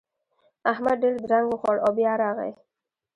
احمد ډېر درنګ وخوړ او بيا راغی.